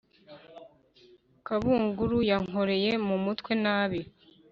kabungulu yankoreye mu mutwe nabi